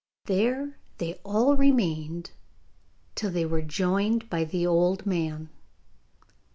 There they all remained, till they were joined by the old man.